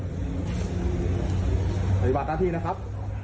สัยบาทนาทีนะครับ